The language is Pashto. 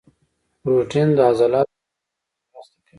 پروټین د عضلاتو په جوړولو کې مرسته کوي